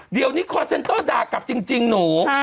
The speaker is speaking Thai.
เดี๋ยวนี้คอร์เซ็นเตอร์ด่ากลับจริงหนู